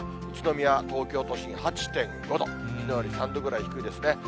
宇都宮、東京都心、８．５度、きのうより３度ぐらい低いですね。